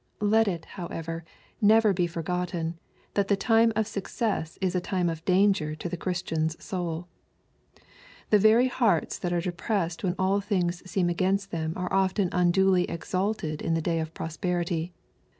Let it, however, never be forgotten, that the time of success is a time of danger to the Christian's soul. The very hearts that are depressed when all things seem against them are often unduly exalted in the day of prosperity.